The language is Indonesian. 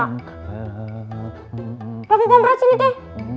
gak mau kumpulkan sini deh